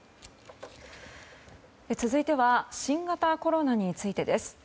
続いては新型コロナについてです。